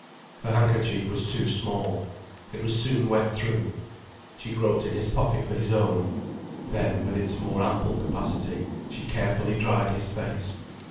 Her handkerchief was too small. It was soon wet through. She groped in his pocket for his own. Then, with its more ample capacity, she carefully dried his face.